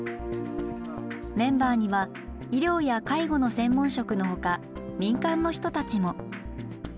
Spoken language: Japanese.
メンバーには医療や介護の専門職のほか民間の人たちも。